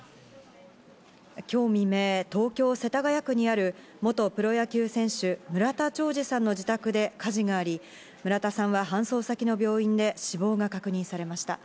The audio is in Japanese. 今日未明、東京・世田谷区にある元プロ野球選手・村田兆治さんの自宅で火事があり、村田さんは搬送先の病院で死亡が確認されました。